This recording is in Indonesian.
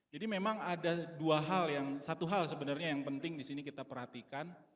jadi memang ada dua hal yang satu hal sebenarnya yang penting di sini kita perhatikan